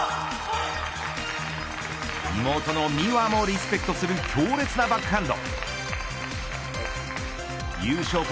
妹の美和もリスペクトする強烈なバックハンド。